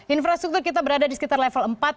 infrastruktur kita berada di sekitar level empat